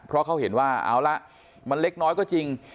เพราะเขาเห็นว่าเอาละมันเล็กน้อยก็จริง